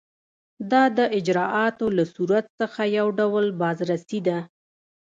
دا د اجرااتو له صورت څخه یو ډول بازرسي ده.